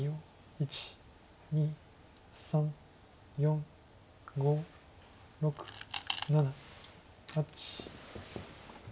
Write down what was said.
１２３４５６７８。